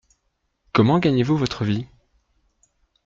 Comment gagnez-vous votre vie ?